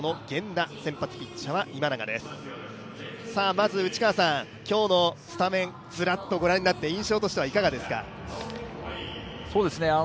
まず今日のスタメン、ずらっとご覧になって印象としてはいかがですか？